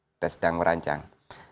kita sedang merancang